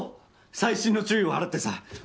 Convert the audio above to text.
細心の注意を払ってさ。